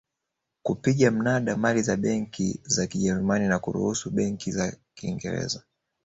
kupiga mnada mali za benki za Kijerumani na kuruhusu benki za Kiingereza